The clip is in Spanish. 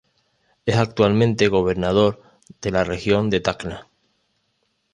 Es actualmente gobernador de la región de Tacna.